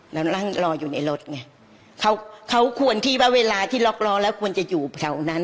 แล้วนั่งรออยู่ในรถไงเขาเขาควรที่ว่าเวลาที่ล็อกล้อแล้วควรจะอยู่แถวนั้น